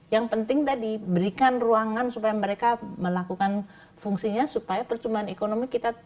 yang penting tadi berikan ruangan supaya mereka melakukan fungsinya supaya percuma ekonomi mereka bisa berhasil